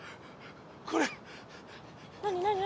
これ何何何？